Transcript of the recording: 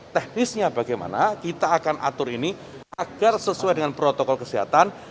teknisnya bagaimana kita akan atur ini agar sesuai dengan protokol kesehatan